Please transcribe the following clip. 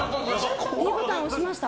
ｄボタン押しました？